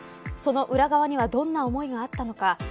その裏側にはどんな思いがあったのか。